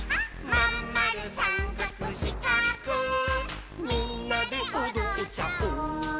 「まんまるさんかくしかくみんなでおどっちゃおう」